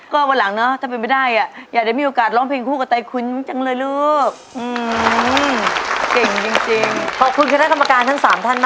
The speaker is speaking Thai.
ก็วันหลังเนาะถ้าเป็นไปได้อะ